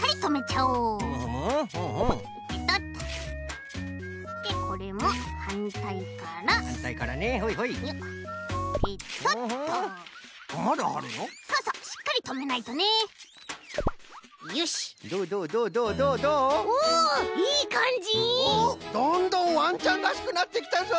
おっどんどんわんちゃんらしくなってきたぞい！